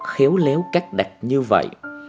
khéo léo cách đặt như vậy